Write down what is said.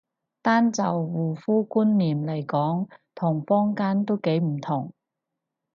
單就護膚觀念嚟講同坊間都幾唔同